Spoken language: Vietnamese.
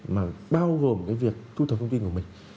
mà bao gồm cái việc thu thập thông tin của mình